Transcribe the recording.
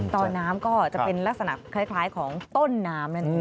อน้ำก็จะเป็นลักษณะคล้ายของต้นน้ำนั่นเอง